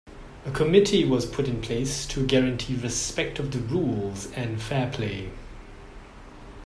A committee was put in place to guarantee respect of the rules and fairplay.